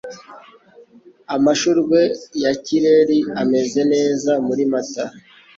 Amashurwe ya kireri ameze neza muri Mata.